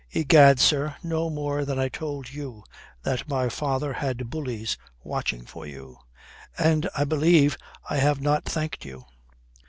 "Egad, sir, no more than I told you: that my father had bullies watching for you." "And I believe I have not thanked you."